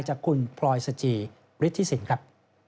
จากคุณพลอยสจีร์ฤทธิศิลป์ครับ